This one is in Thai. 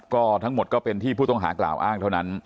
ก็ทั้งหมดก็เป็นที่ผู้ต้องหากล่าวอ้างเท่านั้น